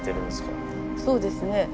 そうですね